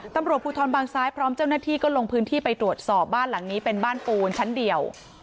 ตำรวจภูทรบางซ้ายพร้อมเจ้าหน้าที่ก็ลงพื้นที่ไปตรวจสอบบ้านหลังนี้เป็นบ้านปูนชั้นเดียว